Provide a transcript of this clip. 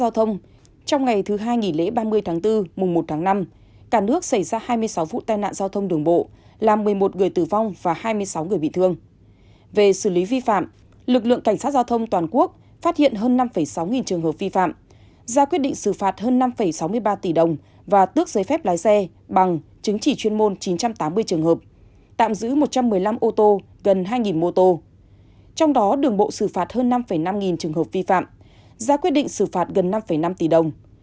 trong đó đường bộ xử phạt hơn năm năm nghìn trường hợp vi phạm giá quyết định xử phạt gần năm năm tỷ đồng